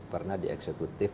pernah di eksekutif